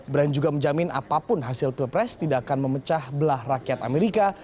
brand juga menjamin apapun hasil pilpres tidak akan memecah belah rakyat amerika